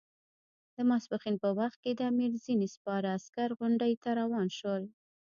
د ماپښین په وخت کې د امیر ځینې سپاره عسکر غونډۍ ته روان شول.